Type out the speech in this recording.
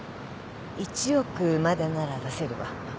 １億までなら出せるわ。